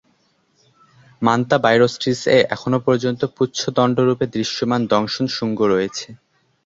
Manta বাইরোসট্রিস-এ এখনও পর্যন্ত পুচ্ছ-দণ্ড রূপে দৃশ্যমান দংশন-শুঙ্গ রয়েছে।